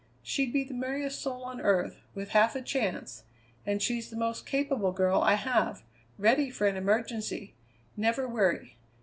She'd be the merriest soul on earth, with half a chance, and she's the most capable girl I have: ready for an emergency; never weary.